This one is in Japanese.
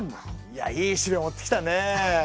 いやいい資料持ってきたねえ。